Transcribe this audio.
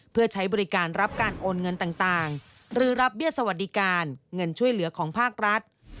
เพื่อใช้บริการรับการโอนเงินต่างหรือรับเบี้ยสวัสดิการเงินช่วยเหลือของภาครัฐ